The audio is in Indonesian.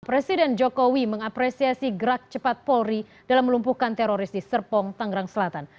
presiden jokowi mengapresiasi gerak cepat polri dalam melumpuhkan teroris di serpong tanggerang selatan